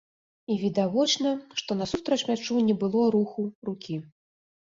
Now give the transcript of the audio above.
І відавочна, што насустрач мячу не было руху рукі.